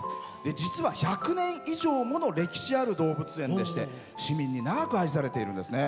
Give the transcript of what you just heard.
実は１００年以上もの歴史ある動物園でして市民に長く愛されているんですね。